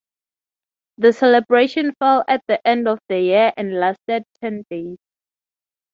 The celebration fell at the end of the year and lasted ten days.